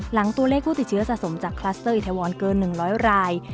หลังตัวเลขผู้ติดเชื้อสะสมจากคลัสเตอร์อิทวรเกิน๑๐๐ราย